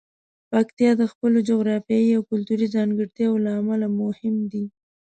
پکتیا د خپلو جغرافیايي او کلتوري ځانګړتیاوو له امله مهم دی.